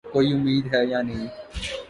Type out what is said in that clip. کوئی امید ہے یا نہیں ؟